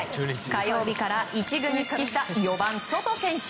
火曜日から１軍に復帰した４番、ソト選手。